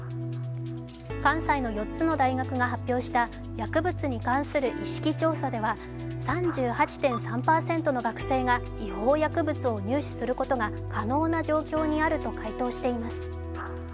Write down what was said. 関西の４つの大学が発表した「薬物に関する意識調査」では３８．３％の学生が、違法薬物を入手することが可能な状況にあると回答しています。